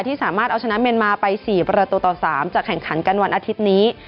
สามารถเอาชนะเมียนมาไป๔ประตูต่อ๓จะแข่งขันกันวันอาทิตย์นี้